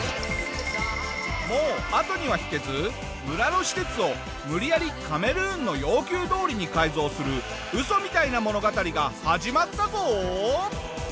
もう後には引けず村の施設を無理やりカメルーンの要求どおりに改造するウソみたいな物語が始まったぞ！